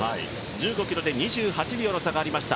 １５ｋｍで２８秒の差がありました。